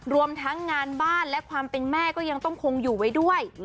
รวมทั้งงานบ้านและความเป็นแม่ก็ยังต้องคงอยู่ไว้ด้วย